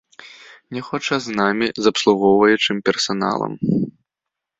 Не хоча з намі, з абслугоўваючым персаналам.